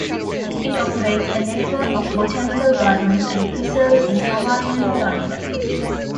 It operates a network of botanical gardens and preserves in Hawaii and Florida.